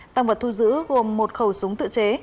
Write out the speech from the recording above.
tăng vật thu giữ gồm một khẩu súng tự chế